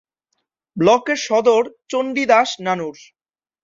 ব্লকের সদর চণ্ডীদাস নানুর।